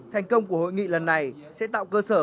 thành công của hội nghị lần này sẽ tạo cơ sở